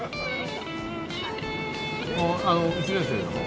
あの１年生なの？